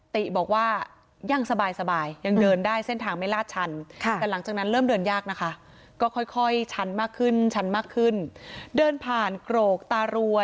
ติบอกว่ายังสบายยังเดินได้เส้นทางไม่ลาดชันแต่หลังจากนั้นเริ่มเดินยากนะคะ